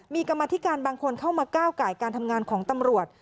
มีกรรมธิการบางคนเข้ามาก้าวไก่การทำงานของตำรวจ